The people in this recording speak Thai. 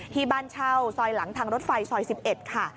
ที่บ้านเช่าซอยหลังทางรถไฟซอย๑๑ค่ะ